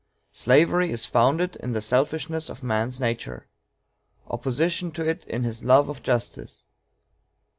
Slavery is founded in the selfishness of man's nature opposition to it in his love of justice.